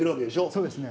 そうですね。